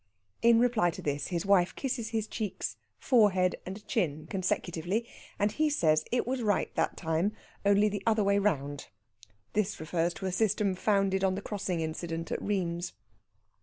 In reply to this his wife kisses his cheeks, forehead, and chin consecutively, and he says it was right that time, only the other way round. This refers to a system founded on the crossing incident at Rheims.